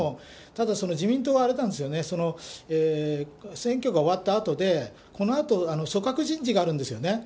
ただ、自民党はあれなんですよね、選挙が終わったあとで、このあと組閣人事があるんですよね。